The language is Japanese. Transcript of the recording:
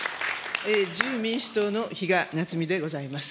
自由民主党の比嘉奈津美でございます。